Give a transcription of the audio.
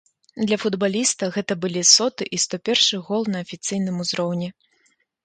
Для футбаліста гэта былі соты і сто першы гол на афіцыйным узроўні.